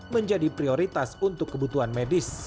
menjadi prioritas untuk kebutuhan medis